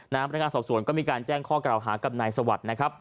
พนักงานสอบสวนก็มีการแจ้งข้อกล่าวหากับนายสวัสดิ์นะครับ